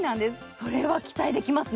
これは期待できますね。